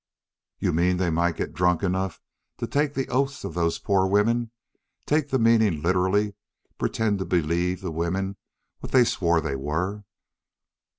"You mean they might get drunk enough to take the oaths of those poor women take the meaning literally pretend to believe the women what they swore they were?"